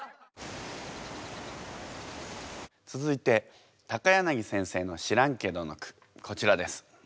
続いて柳先生の「知らんけど」の句こちらです。